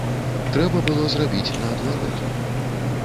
Трэба было зрабіць наадварот.